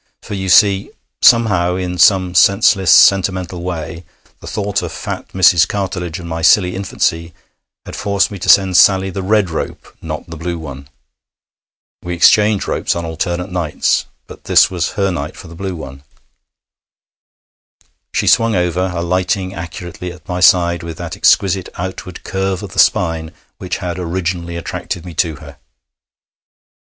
For, you see, somehow, in some senseless sentimental way, the thought of fat Mrs. Cartledge and my silly infancy had forced me to send Sally the red rope, not the blue one. We exchanged ropes on alternate nights, but this was her night for the blue one. She swung over, alighting accurately at my side with that exquisite outward curve of the spine which had originally attracted me to her.